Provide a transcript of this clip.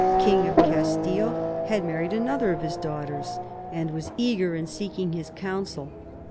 king of Castile, had married another of his daughters, and was eager in seeking his counsel.